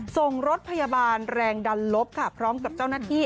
ส่งรถพยาบาลแรงดันลบค่ะพร้อมกับเจ้าหน้าที่